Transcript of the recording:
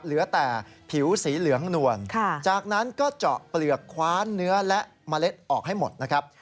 เหลือแต่ผิวสีเหลืองนวลจากนั้นก็เจาะเปลือกคว้านเนื้อและเมล็ดออกให้หมดนะครับ